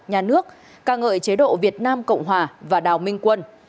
nhà nước ca ngợi chế độ việt nam cộng hòa và đào minh quân